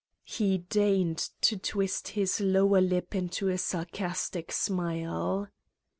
" he deigned to twist his lower lip into a sarcastic smile.